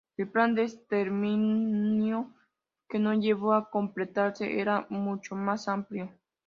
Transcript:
El plan de exterminio que no llegó a completarse era mucho más amplio.